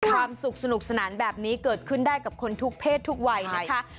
ความสุขสนุกสนานแบบนี้เกิดขึ้นได้กับคนทุกเพศทุกวัยนะคะ